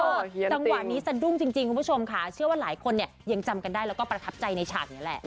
จังหวะนี้สะดุ้งจริงคุณผู้ชมค่ะเชื่อว่าหลายคนเนี่ยยังจำกันได้แล้วก็ประทับใจในฉากนี้แหละ